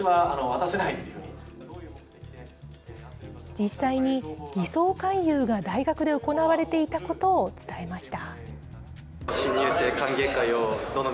実際に偽装勧誘が大学で行われていたことを伝えました。